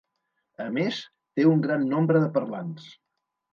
A més, té un gran nombre de parlants.